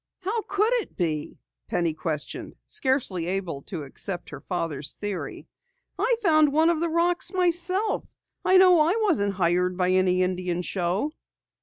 "How could it be?" Penny questioned, scarcely able to accept her father's theory. "I found one of the rocks myself. I know I wasn't hired by any Indian show!"